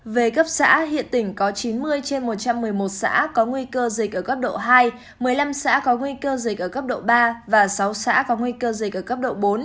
về cấp xã hiện tỉnh có chín mươi trên một trăm một mươi một xã có nguy cơ dịch ở cấp độ hai một mươi năm xã có nguy cơ dịch ở cấp độ ba và sáu xã có nguy cơ dịch ở cấp độ bốn